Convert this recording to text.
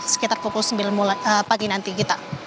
sekitar pukul sembilan pagi nanti gita